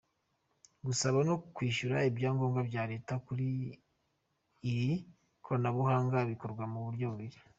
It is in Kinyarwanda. Gusaba no kwishyura ibyangombwa bya Leta kuri iri koranabuhanga, bikorwa mu buryo bubiri.